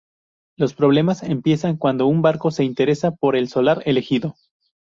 Los problemas empiezan cuando un banco se interesa por el solar elegido.